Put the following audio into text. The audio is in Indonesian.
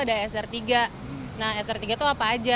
ada sr tiga nah sr tiga itu apa aja